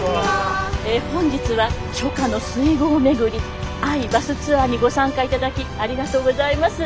本日は初夏の水郷めぐり愛バスツアーにご参加いただきありがとうございます。